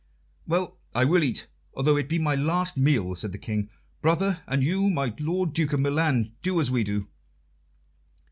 "Well, I will eat, although it be my last meal," said the King. "Brother, and you, my Lord Duke of Milan, do as we do."